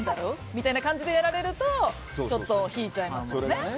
みたいな感じでやられると引いちゃいますね。